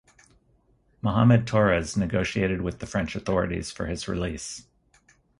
Muhammad Torres negotiated with the French authorities for his release.